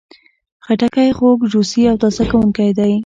خټکی خوږ، جوسي او تازه کوونکی دی.